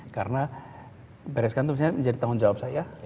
karena bereskan itu bisa menjadi tanggung jawab saya